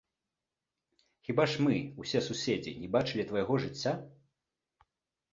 Хіба ж мы, усе суседзі, не бачылі твайго жыцця?